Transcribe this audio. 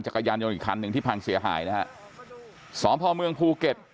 จักรยานยนต์อีกคันหนึ่งที่พังเสียหายนะฮะสพเมืองภูเก็ต